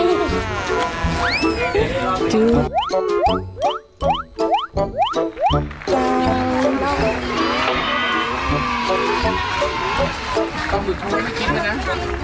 เข้าสุดท้วยไม่คิดเลยนะ